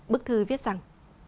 bức thư viết rằng